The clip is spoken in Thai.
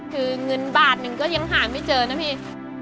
คือเงินบาทหนึ่งก็ยังหาไม่เจอนะพี่